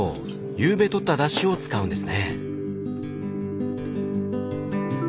ゆうべとっただしを使うんですね。